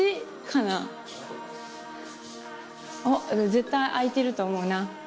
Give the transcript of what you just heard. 絶対開いてると思うな。